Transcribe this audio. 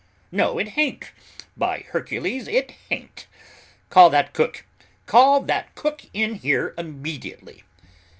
No, it hain't, by Hercules, it hain't! Call that cook! Call that cook in here immediately!"